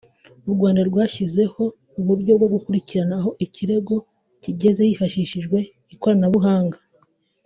u Rwanda rwashyizeho uburyo bwo gukurikirana aho ikirego kigeze hifashishijwe ikoranabuhanga